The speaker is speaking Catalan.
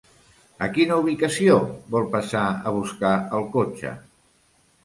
A quina ubicació vol passar a buscar el cotxe?